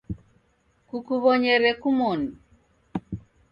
Kukuw'onyere kumoni